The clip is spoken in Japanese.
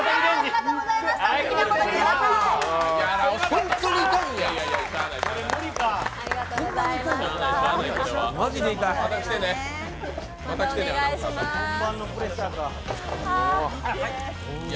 本当に痛いんや。